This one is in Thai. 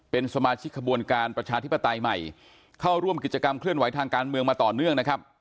เป็นสมาชิกขบวนการประชาธิปไตยใหม่เข้าร่วมกิจกรรมเคลื่อนไหวทางการเมืองมาต่อเนื่องนะครับ